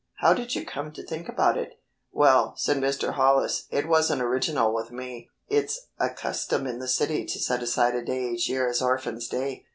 "How did you come to think about it?" "Well," said Mr. Hollis, "it wasn't original with me. It's a custom in the city to set aside a day each year as 'Orphans' Day.'